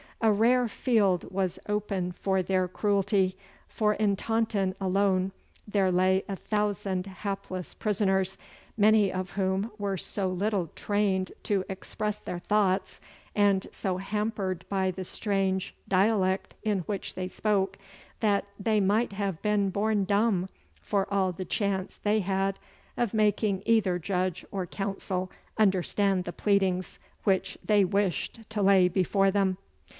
A rare field was open for their cruelty, for in Taunton alone there lay a thousand hapless prisoners, many of whom were so little trained to express their thoughts, and so hampered by the strange dialect in which they spoke, that they might have been born dumb for all the chance they had of making either judge or counsel understand the pleadings which they wished to lay before them.